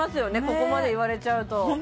ここまで言われちゃうとね